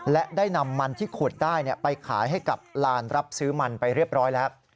และได้นำมันที่ขุดได้ไปขายให้กับลานรับซื้อมันไปเรียบร้อยแล้ว